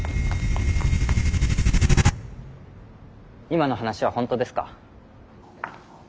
今の話は本当ですか？